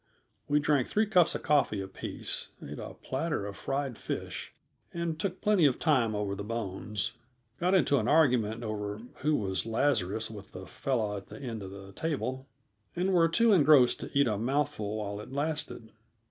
We drank three cups of coffee apiece, ate a platter of fried fish, and took plenty of time over the bones, got into an argument over who was Lazarus with the fellow at the end of the table, and were too engrossed to eat a mouthful while it lasted.